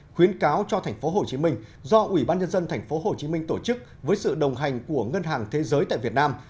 khuyến cáo cho tp hcm do ubnd tp hcm tổ chức với sự đồng hành của ngân hàng thế giới tại việt nam